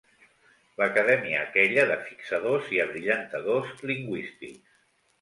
L'acadèmia aquella de fixadors i abrillantadors lingüístics.